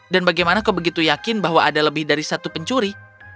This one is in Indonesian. dan bagaimana kau begitu yakin bahwa ada lebih dari satu pencuri